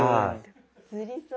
つりそう。